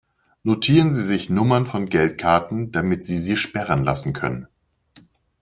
Notieren Sie sich Nummern von Geldkarten, damit sie sie sperren lassen können.